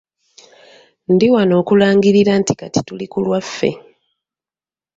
Ndi wano okulangirira nti kati tuli ku lwaffe.